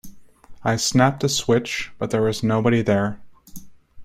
I snapped the switch, but there was nobody there.